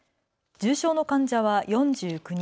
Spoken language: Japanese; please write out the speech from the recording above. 重症の患者は４９人。